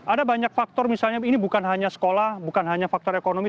ada banyak faktor misalnya ini bukan hanya sekolah bukan hanya faktor ekonomi